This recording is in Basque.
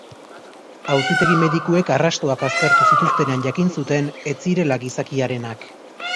Auzitegi-medikuek arrastoak aztertu zituztenean jakin zuten ez zirela gizakiarenak.